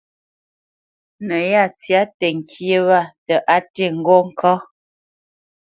No yá tsya təŋkyé wa tə á ti ŋgó ŋká.